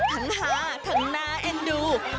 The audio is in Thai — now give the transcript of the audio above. ทั้งหาทั้งหน้าเอ็นดู